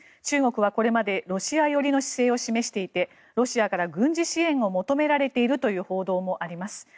中国はこれまでロシア寄りの姿勢を示していてロシアから軍事支援を求められているという報道もあります。